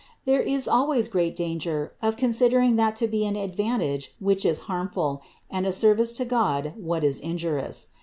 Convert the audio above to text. There is always great dan ger of considering that to be an advantage which is harmful, and a service to God, what is injurious.